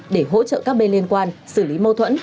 để hỗ trợ các bên liên quan xử lý mâu thuẫn